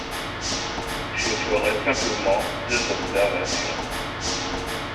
Je ferai simplement deux observations.